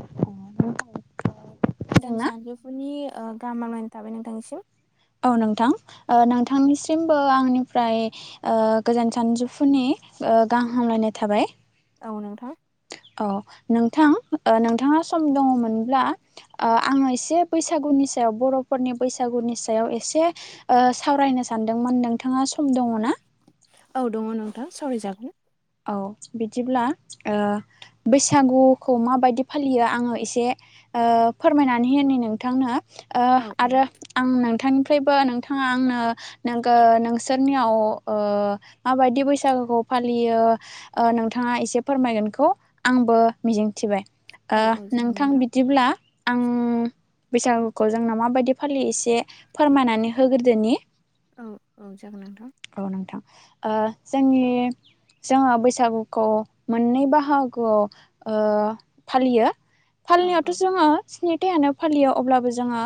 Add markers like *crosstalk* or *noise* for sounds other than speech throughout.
*inaudible* गोजोन खोनादोंना? सानजौफुनि गाहाम हामग्लायनाय थाबाय नोंथांनिसिम। औ नोंथां नोंथांनिसिमबो आंनिफ्राय गोजोन सानजौफुनि। गाहाम हामलायनाय थाबाय। औ नोंथां। औ नोंथां नोंथाङा सम दङमोनब्ला आङो एसे बैसागुनि सायाव। बर'फोरनि बैसागुनि। सायाव एसे सावरायनो सानदोंमोन नोंथाङा सम दङ ना। औ दङ नोंथां सावराय जागोन। औ बिदिब्ला ओ बैसागुखौ माबायदि फालियो आङो एसे फोरमायनानै होनि नोंथांनो औ आरो आं नोंथांनि। बो नोंथाङा आंनो नोंसोरनियाव माबायदि बैसागोखौ फालियो नोंथाङा एसे फोरमायगोनखौ आंबो मिजिंथिबाय औ औ जागोन नोंथां बिदिब्ला आं। बैसागुखौ जोंना माबायदि फालि एसे फोरमायनानै होग्रोदोनि। औ औ जागोन नोंथां। औ नोंथां जोंनि जोङो बैसागुखौ मोननै बाहाव। ओ फालियो औ फालिनायाथ औ जोङो हबथायानो फालियो अब्लाबो जोङो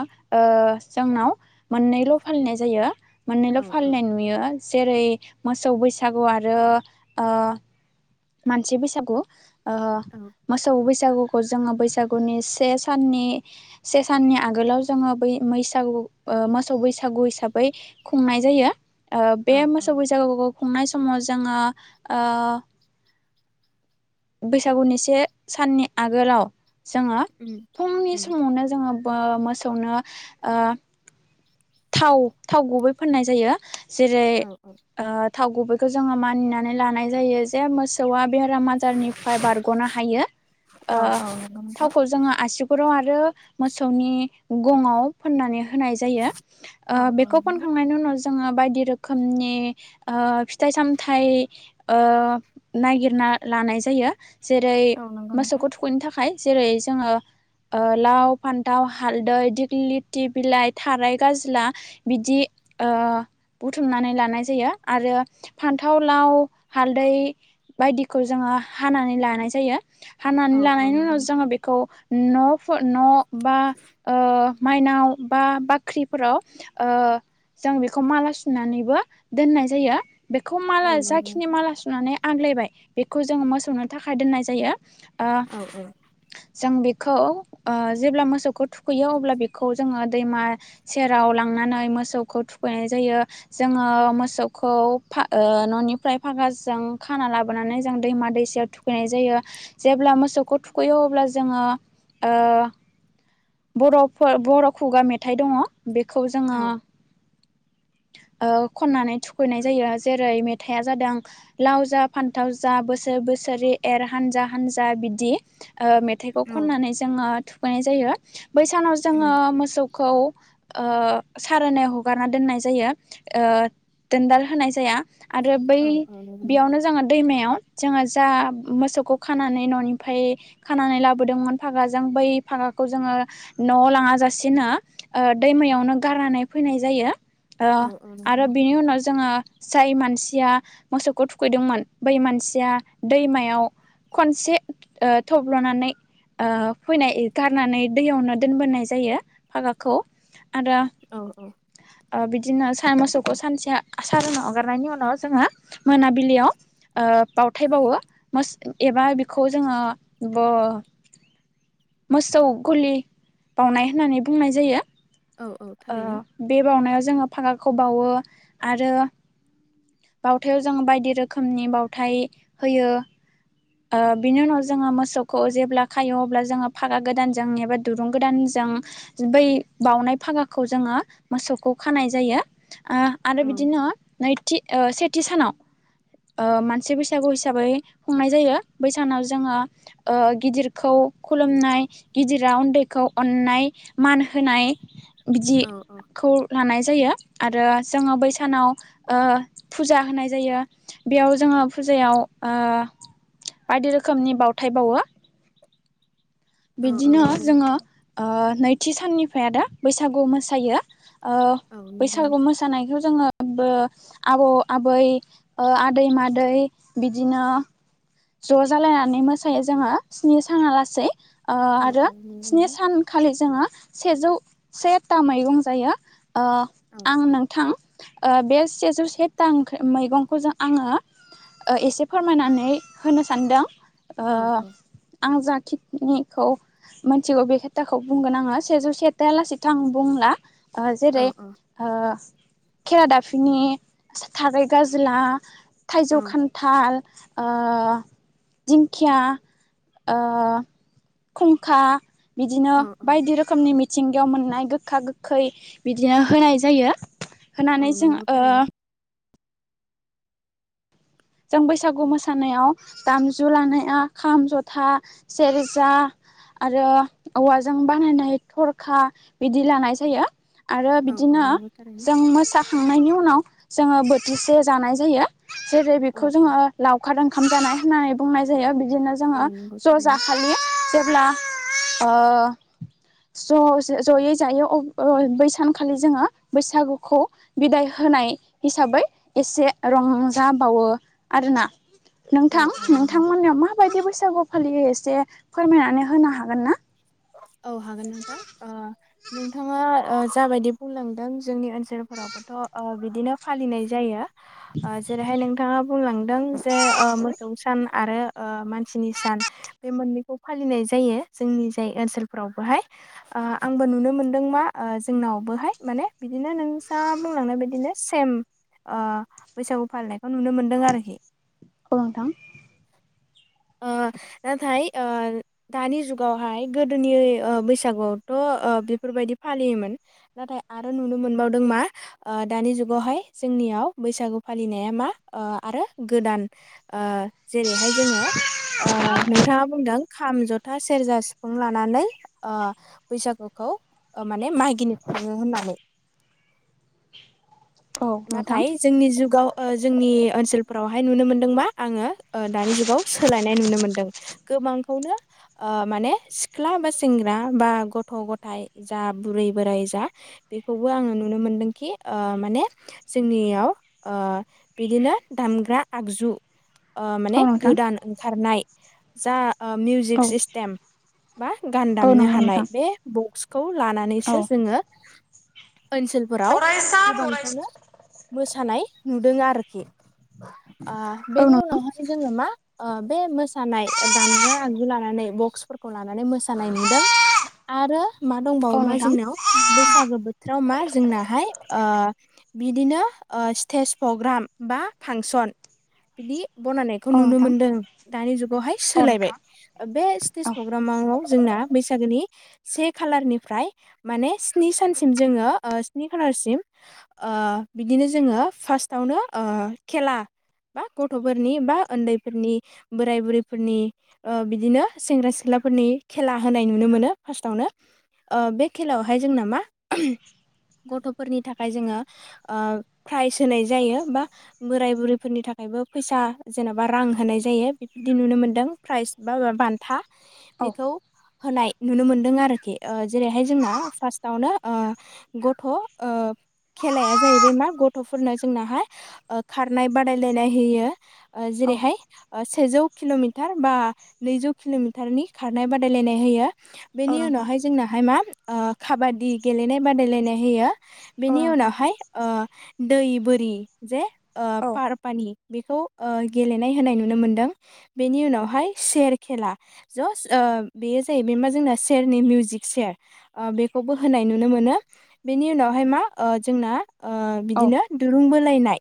जोंनाव मोननैल फालिनाय जायो। मोननैल औ औ फालिनाय नुयो जेरै मोसौ बैसागु आरो ओ मानसि बैसागु ओ औ मोसौ बैस सागुखौ जोङो बैसागुनि से साननि आगोलाव जोङो बै मैसागु ओ मोसौ बैसागु हिसाबै खुंनाय जायो ओ बे औ औ मोसौ बैसागु खुंनाय समाव जोङो ओ बैसागुनि से साननि आगोलाव जोङो उम फुंनि उम समावनो जोङो बो मोसौनो ओ थाव थाव गुबै फोननाय जायो जेरै औ ओ थाव गुबैखौ जोङो मानिनानै लानाय जायो जे मोस सौआ बेराम आजारनिफ्राय बारगनो हायो ओ औ औ नंगौ नोंथां थावखौ जोङो आसुगुराव आरो मोसौनि गङाव फोननानै होनाय जायो ओ औ औ बेखौ नंगौ फोनखांनायनि उनाव जोङो बायदि रोखोमनि ओ फिथाइ सामथाइ ओ नागिर ना लानाय जायो जेरै औ नंगौ नोंथां मोसौखौ थुखैनो थाखाय जेरै जोङो ओ लाव फान्थाव हालदै दिग्लिथि बिलाइ थाराय गाज्ला बिदि ओ बुथुमनानै लानाय जायो आरो फान्थाव लाव हालदै बायदिखौ जोङो हानानै लानाय जायो हानानै औ औ लानायनि नंगौ उनाव जोङो नोंथां बेखौ न'फो न' बा ओ माइनाव बा बाख्रि फोराव ओ जों बेखौ माला सुनानैबो दोननाय जायो बेखौ माला औ नंगौ जाखिनि नोंथां माला सुनानै आग्लायबाय बेखौ जोङो मोसौनो थाखाय दोननाय जायो ओ औ औ जों बेखौ ओ जेब्ला मोसौखौ थुखैयो अब्ला बेखौ जोङो दैमा सेराव लांनानै मोसौखौ थुखैनाय जायो जोङो मोसौखौ फा ओ न निफ्राय फागाजों खाना लाबोनानै जों दैमा दैसायाव थुखैनाय जायो जेब्ला मोसौखौ थुखैयो यो अब्ला जोङो ओ बर'फोर बर' खुगा मेथाइ दङ बेखौ जोङो औ ओ खननानै थुखैनाय जायो जेरै मेथाया जादों लाव जा फानथाव जा बोसोर बो बोसोरि एर हानजा हानजा बिदि ओ मेथाइखौ औ खननानै जोङो थुखैनाय जायो बै सानाव उम जोङो मोसौखौ ओ सारोनै हगारना दोननाय जायो दोनदाल होनाय जाया आरो बै औ औ नंगौ नोंथां बेयावनो जोङो दैमायाव जोङो जा मोसौखौ खानानै न'निफ्राय खानानै लाबोदोंमोन फागाजों बै फागा खौ जोङो न'आव लाङा लासिनो ओ दैमायावनो गारनानै फैनाय जायो ओ औ औ नंगौ आरो नोंथां बिनि उनाव जोङो जाय मानसि थिया मोसौखौ थुखैदोंमोन बै मानसिया दैमायाव खनसे ओ थब्ल'नानै ओ फैनाय गारनानै दैयावनो दोनबोनाय जायो फागाखौ आरो औ औ ओ बि दिनो साइ मोसौखौ सानसे सारोनाव हगारनायनि उनाव जोङो मोनाबिलियाव ओ बावथाय बावो मोस एबा बेखौ जोङो बो मोसौ गलि बावनाय होननानै बुंनाय जायो औ औ ओ थारैनो बे बावनायाव जोङो फागाखौ बावो आरो बावथायाव जों बायदि रोखोमनि बावउथाय होयो ओ बिनि उनाव जोङो मोसौखौ जेब्ला खायो अब्ला जोङो फागा गोदानजों एबा दुरुं गोदानजों जों बै बाउनाय फागाखौ जोङो मोसौखौ खानाय जायो ओ आरो औ बिदिनो नैथि ओ सेथि सानाव ओ मानसि बैसागु हिसाबै खुंनाय जायो बै सानाव जोङो ओ गिदिरखौ खुलुमनाय गिदिरा उनदैखौ अन नाय मान होनाय औ औ बिदिखौ लानाय जायो जायो आरो जोङो बैसानाव ओ फुजा होनाय जायो बेयाव जोङो फु जायाव ओ बायदि रोखोमनि बावथाय बावो औ औ बिदिनो नंगौ जोङो नोंथां ओ नैथि साननिफ्राय आरो बैसागु मोसायो ओ औ नंगौ बैसागु नोंथां मोसानायखौ जोङो बो आबौ आबै ओ आदै मादै बिदिनो ज' जालायनानै मोसायो जोङो स्नि साना लासै ओ औ आरो औ नंगौ स्नि नोंथां सानखालि जोङो सेजौ सेथा मैगं जायो ओ औ आं नोंथां बे सेजौ सेथा ओंख्रि मैगंखौ जों आङो एसे फोरमायनानै होनो सानदों ओ औ आं जा खिनिखौ मिथिगौ बे खोथाखौ बुंगोन आङो सेजौ सेथायालासेथ' आं बुंला ओ औ जेरै औ ओ खेरादाफिनि थागाय गाज्ला थाइजौ औ खानथाल ओ ओ दिंखिया ओ खुंखा बिदिनो औ औ बायदि रोखोमनि मिथिंगायाव मोननाय गोखा गोखै बिदिनो होनाय जायो औ होनानै जों नंगौ ओ थारैनो जों बैसागु मोसानायाव दामजु लानाया खाम जथा सेरजा आरो औवाजों बानायनाय थरखा बिदि लानाय जायो आरो औ औ बिदिनो नंगौ थारैनो जों मोसा खांनायनि उनाव जोङो बोथिसे जानाय जायो जेरै बेफो औ खौ औ जोङो लावखार ओंखाम जानाय होननानै बुंनाय जायो बिदिनो जोङो औ नंगौ ज' थारैनो जाखालि जेब्ला ओ ज' जयै जायो बै सानखालि जोङो बैसागुखौ बिदाय हो होनाय हिसाबै एसे रंजाबावो आरोना औ नोंथां औ नंगौ नोंथांमोननियाव माबायदि बुस फालियो एसे फोरमायनानै होनो हागोन ना औ हागोन नोंथां ओ नोंथाङा ओ जाबायदि बुंलांदों जोंनि ओनसोलफोरावबोथ बिदिनो फालिनाय जायो जेरैहाय नोंथाङा बुंलांदों जे मोसौ सान आरो मानसिनि सान बे मोननैखौ फालिनाय जायो जोंनि जाय ओनसोलफोरावबोहाय ओ आंबो नुनो मोन्दों मा ओ जोंनावबोहाय माने बिदिनो नों सा बुंलांनाय बदिनो सेम बैसागु फालिनायखौ नुनो मोनदों आरोखि औ नोंथां नाथाय दानि जुगावहाय गोदोनि बैसागुआवथ बेफोरबायदि फालियोमोन नाथाय आरो नुनो मोनबावदों मा दानि जुगावहाय जोंनियाव बैसागु फालिनाया मा आरो गोदान जेरैहाय जोङो नोंथाङा बुंदों खाम जथा सेरजा सिफुं लानानै बैसागुखौ माने मागिनो थाङो होननानै *inaudible* औ नोंथां नाथाय जोंनि जुगाव जोंनि ओनसोल फोरावहाय नुनो मोनदोंबा आङो दानि जुगाव सोलायनाय नुनो मोन्दों गोबांखौनो ओ माने सिख्ला बा सेंग्रा बा गथ' गथायाय जा बुरै बोराय जा बे खौबो आङो नुनो मोनदोंखि ओ माने जोंनियाव बिदिनो दामग्रा आगजु ओ औ माने नोंथां गोदान ओंखारनाय जा औ मिउजिक सिस्टेम बा गान औ दामनो नंगौ हानाय नोंथां बे बक्सखौ औ लानानैसो जोङो ओनसोलफोराव फरायसा फरायसु गोबांखौनो मोसानाय नुदों आरोखि औ बेनि नोंथां उनावहाय जोङो मा बे मोसानाय दामग्रा आगजु लानानै बक्सफोरखौ लानानै मोसानाय नुदों आरो मा दंबावो औ मा नोंथां जोंनाव बैसागो बोथोराव मा जोंनाहाय ओ बिदिनो स्टेज प्रग्राम बा फांसन बिदि बनायनायखौ औ नुनो नोंथां मोन्दों दानि जुगावहाय औ सोलायबाय नोंथां बे स्टेज औ प्रग्रामाव जोंना बैसागोनि से खालारनिफ्राय माने स्नि सानसिम जोङो स्नि खालारसिम बिदिनो जोङो फार्स्टआवनो खेला बा गथ'फोरनि बा उन्दैफोरनि बोराय बुरैफोरनि बिदिनो सेंग्रा सिख्ला फोरनि खेला होनाय नुनो मोनो फार्स्टआवनो बे खेलायावहाय जोंना मा गथ'फोरनि थाखाय जोङो प्राइज होनाय जायो बा बोराय बुरैफोरनि थाखायबो फैसा जेनेबा रां होनाय जायो बेबायदि नुनो मोनदों प्राइज बा बान्था औ बेखौ होनाय नुनो मोनदों आरोखि जेरैहाय जोंना फार्स्टावनो गथ' खेलाया जाहैबाय मा गथ'फोरनो जोंनाहाय खारनाय बादायलायनाय होयो औ जेरैहाय सेजौ किल मिटार बा नैजौ किल मिटारनि खारनाय बादायलायनाय होयो औ बेनि नोंथां उनावहाय जोंनाहाय मा काबादि गेलेनाय बादायलायनाय होयो औ बेनि नोंथां उनावहाय दै बोरि जे औ पारपानि बेखौ गेलेनाय होननाय नुनो मोनदों बेनि उनावहाय सेर खेला ज बेयो ज बे मा जोंना सेरनि मिउजिक सेर बेखौबो होनाय नुनो मोनो बेनि उनावहाय मा जोंना औ बिदिनो दुरुं बोलायनाय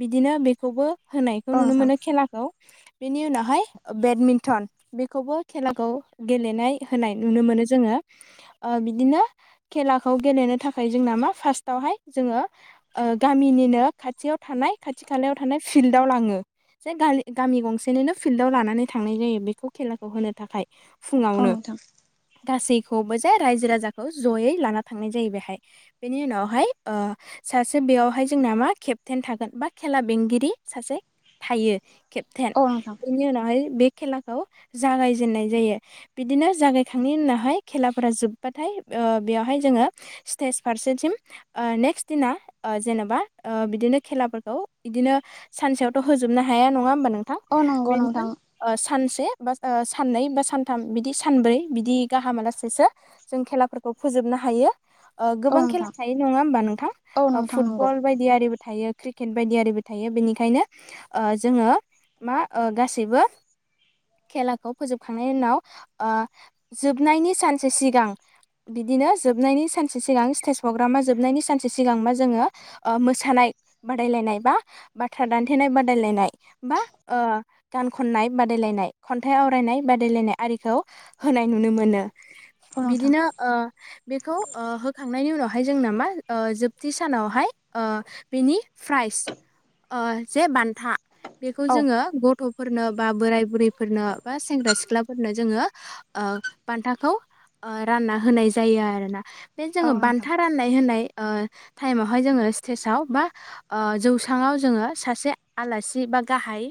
बिदिनो बेखौबो होनायखौ औ नुनो नोंथां मोनो खेलाखौ बेनि उनावहाय बेडमिन्टन बेखौबो खेलाखौ गेलेनाय होनाय नुनो मोनो बिदिनो खेलाखौ गेलेनो थाखाय जोंना मा फार्स्ट थावहाय जोङो गामिनिनो खाथियाव थानाय खाथि खालायाव थानाय फिल्डआव लाङो जे गामि गंसेनिनो फिल्डाव लानानै थांनाय जायो बेखौ खेलाखौ होनो थाखाय औ फुङावनो नोंथां गासै खौबो जे रायजो राजाखौ जयै लाना थांनाय जायो बेहाय बेनि उनाव सासे बेयावहाय जोंना मा केपटेन थागोन बा खेला बेंगिरि सासे थायो केपटेन औ नोंथां बेनि उनावहाय बे खेलाखौ जागायजेननाय जायो बिदिनो जागायखांनायनि उनावहाय खेलाफोरा जोब्बाथाय बेयावहाय जोङो स्टेज फारसे थिम नेक्स्ट दिना जेनेबा बिदिनो खेलाफोरखौ बिदिनो सानसेयावथ' होजोबनो हाया हाया नङा होमबा नोंथां औ नंगौ नोंथां सानस से बा सानै बा सान थाम बिदि सानब्रै बिदि गाहामालासेसो जों खेलाफोरखौ फोजोब नो हायो औ गोबां नोंथां खेला थायो नङा होनबा औ नोंथां नंगौ फुटबल बायदि आरिबो थायो क्रिकेट बायदियारिबो थायो बेनिखायनो जोङो मा गासैबो खेलाखौ फोजोबखांनायनि उनाव जोबनायनि सानसे सिगां बि दिनो जोबनायनि सानसे सिगां स्टेज पग्रामा जोबनायनि सानसे सिगांबा जोङो मोसानाय बादायलायनाय बा बाथ्रा दान्थेनाय नाय बादायलायनाय गान खननाय बादायलायनाय खन्थाइ आवरायनाय बादायलायनाय आरि खौ होनाय नुनो मोनो औ नोंथां बिदिनो बेखौ होखांनायनि उनाव हाय जोंना मा जोबथि सानावहाय बेनि फ्राइस जे बान्था बेखौ औ जोङो गथ' फोरनो बा बोराय बुरैफोरनो बा सेंग्रा सिख्लाफोरनो जोङो बान्थाखौ रानना होनाय जायो आरोना बे औ जोङो नोंथां बान्था राननाय होनाय टाइम आवहाय जोङो स्टेजाव बा जौस्राङाव जोङो सासे आलासि बा गाहाय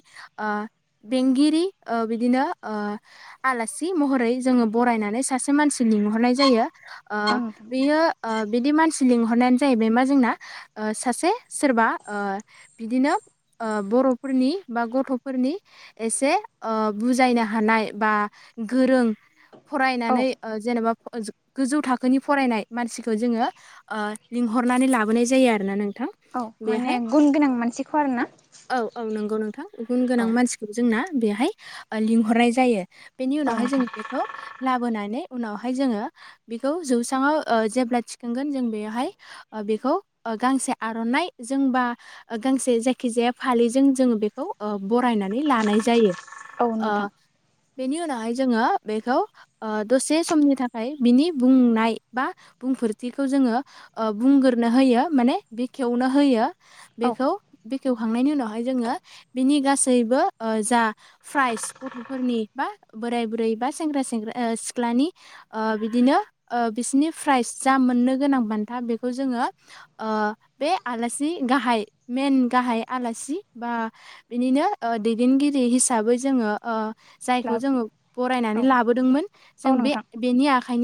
बेंगिरि बिदिनो आलासि महरै जोङो बरायनानै सासे मानसि लिंहरनाय जायो औ नोंथां बियो बिदि मानसि लिंहरनायानो जाहैबाय मा जोंना सासे सोरबा बिदिनो बर'फोरनि बा गथ'फोरनि एसे बुजायनो हानाय बा गोरों औ फरायनानै जेनेबा गोजौ थाखोनि फरायनाय मानसि खौ जोङो लिंहरनानै लाबोनाय जायो आरोना नों थां औ बेहाय माने गुन गोनां मानसिखौ आरोना औ औ नंगौ नों गुन गोनां औ मानसिखौ जोंना बेहाय लिंहरनाय जायो। बेनि औ उनावहाय जों नोंथां बेखौ लाबोनानै उनावहाय जोङो बेखौ जौसाङाव जेब्ला थिखांगोन जों बेयावहाय बेखौ गांसे आर'नाय जोंबा गांसे जे खिजाया फालिजों जोङो बेखौ बरायनानै लानाय जायो। औ नोंथां बेनि उनाव हाय जोङो बेखौ दसे समनि थाखाय बिनि बुंनाय बा बुंफोर नाय खौ जोङो बुंगोरनो होयो माने बेखेवनो होयो। औ बेखौ बेखेव खांनायनि उनावहाय जोङो बेनि गासैबो जा प्राइज गथ'फोरनि बा बोराय बुरै बा सेंग्रा सेंग्रा सिख्लानि बिदिनो बिसिनि प्राइज जा मोननो गोनां बान्था बेखौ जोङो बे आलासि गाहाय मेन गाहाय आलासि बा बिनिनो दैदेनगिरि हिसाबै जोङो ओ जायखौ जोङो बरायनानै औ लाबोदोंमोन जों औ बे नोंथां बेनि आखाइनि